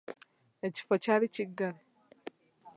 Ekifo kyali kiggale.